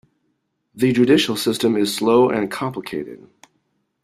The judicial system is slow and complicated.